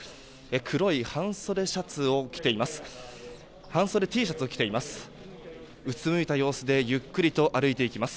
黒い半袖Ｔシャツを着ています。